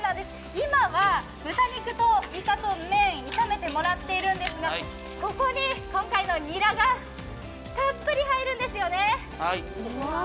今は豚肉といかをメインに炒めてもらってるんですがここに今回のニラがたっぷり入るんですよね。